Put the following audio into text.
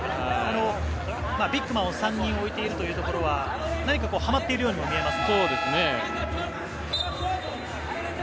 ビッグマンを３人置いているというところは何かハマっているようにも見えます。